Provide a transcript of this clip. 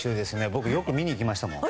僕、よく見に行きましたもん。